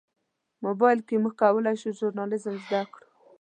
موبایل کې موږ کولی شو ژورنالیزم زده کړو.